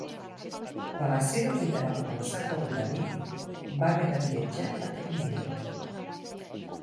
Quan la seva vida va començar a córrer perill, va haver de viatjar a Crimea.